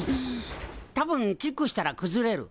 多分キックしたらくずれる。